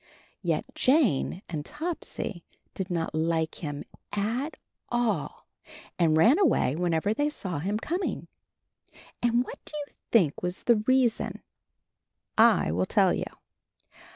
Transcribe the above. Yet Jane and Topsy did not like him at all and ran away whenever they saw him com ing. And what do you think was the reason? I will tell you.